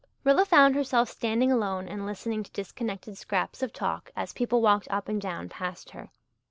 Rilla found herself standing alone and listening to disconnected scraps of talk as people walked up and down past her.